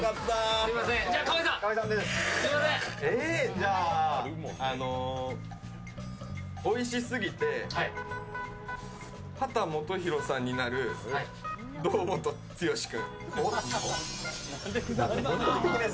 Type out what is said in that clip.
じゃあおいしすぎて秦基博さんになる堂本剛君。